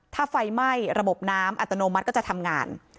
ถ้าไฟไหม้ระบบน้ำอัตโนมัติก็จะทำงาน